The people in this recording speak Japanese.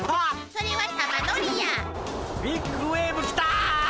それは玉乗りや！ビッグウエーブ来た！